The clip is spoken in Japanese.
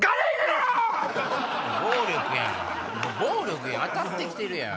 暴力やん当たって来てるやん。